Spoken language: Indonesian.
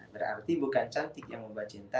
berarti bukan cantik yang membuat cinta